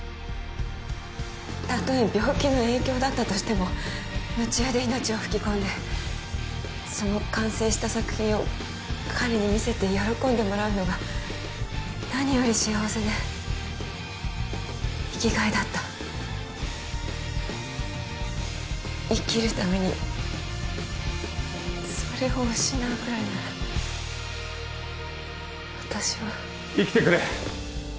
たとえ病気の影響だったとしても夢中で命を吹き込んでその完成した作品を彼に見せて喜んでもらうのが何より幸せで生きがいだった生きるためにそれを失うぐらいなら私は生きてくれ！